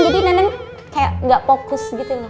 jadi neneng kayak gak fokus gitu loh